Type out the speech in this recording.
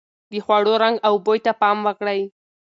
د خوړو رنګ او بوی ته پام وکړئ.